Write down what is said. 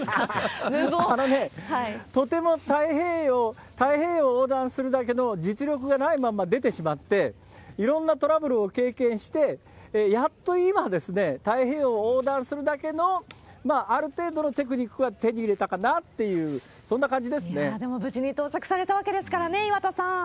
とても太平洋横断するだけの実力がないまま出てしまって、いろんなトラブルを経験して、やっと今ですね、太平洋を横断するだけのある程度のテクニックは手に入れたかなっでも、無事に到着されたわけですからね、岩田さん。